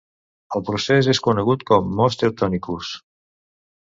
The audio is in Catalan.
El procés és conegut com mos Teutonicus.